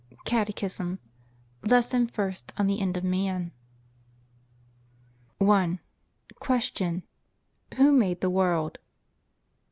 CATECHISM LESSON FIRST ON THE END OF MAN 1. Q. Who made the world?